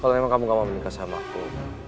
kalau kamu tidak mau menikah sama aku